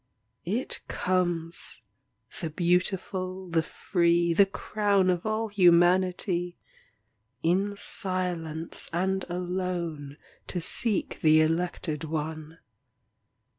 It comes, the beautiful, the free, The crown of all humanity, In silence and alone To seek the elected one.